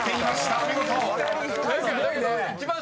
お見事］